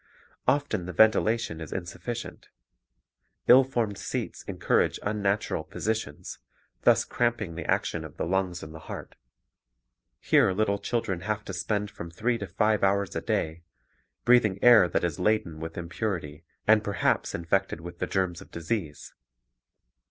Often the ventilation is insufficient. Ill formed seats encourage unnatural positions, thus cramping the action of the lungs and the heart. Here little children have to spend from three to five hours a day, breathing air that is laden with impurity and perhaps infected with the germs of disease.